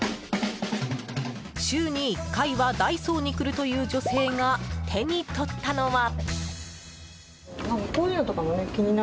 週に１回はダイソーに来るという女性が手に取ったのは。